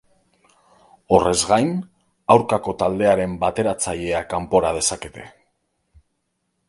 Horrez gain, aurkako taldearen bateratzailea kanpora dezakete.